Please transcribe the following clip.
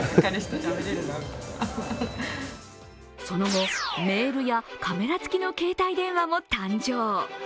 その後、メールやカメラ付きの携帯電話も誕生。